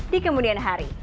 di kemudian hari